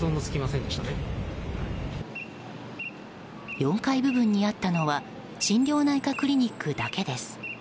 ４階部分にあったのは心療内科クリニックだけです。